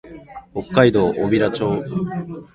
北海道小平町